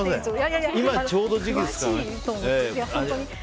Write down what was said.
今ちょうど時期ですからね。